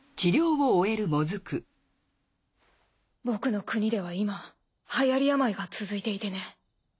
僕の国では今はやり病が続いていてね。